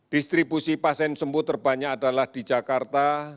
distribusi pasien sembuh terbanyak adalah di jakarta